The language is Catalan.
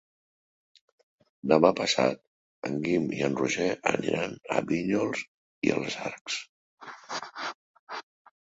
Demà passat en Guim i en Roger aniran a Vinyols i els Arcs.